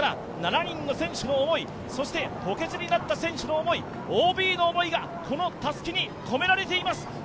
７人の選手の思い、補欠の選手の思い、ＯＢの思いがこのたすきに込められています。